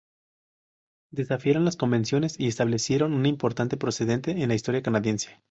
Desafiaron las convenciones y establecieron un importante precedente en la historia canadiense.